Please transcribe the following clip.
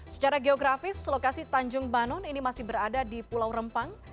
secara geografis lokasi tanjung banon ini masih berada di pulau rempang